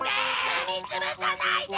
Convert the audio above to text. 踏み潰さないで！